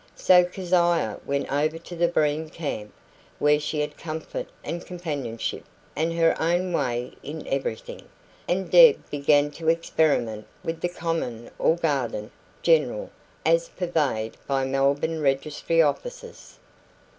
So Keziah went over to the Breen camp, where she had comfort and companionship, and her own way in everything; and Deb began to experiment with the common or garden 'general' as purveyed by Melbourne registry offices.